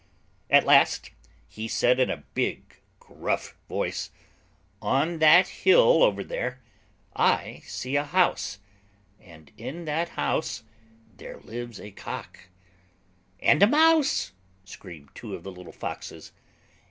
At last he said in a big gruff voice: "On that hill over there I see a house. And in that house there lives a Cock." "And a Mouse," screamed two of the little foxes.